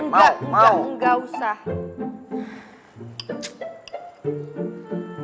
enggak enggak enggak usah